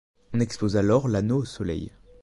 On expose alors l'anneau au Soleil.